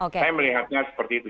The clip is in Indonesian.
saya melihatnya seperti itu